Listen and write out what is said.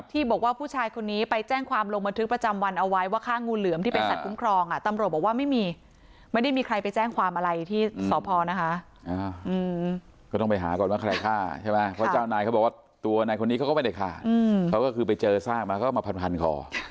ที่บอกว่าผู้ชายคนนี่ไปแจ้งความลงบันทึกประจำวันเอาไว้ว่าค่างูเหลือมที่ไปซาดกุ้มครอง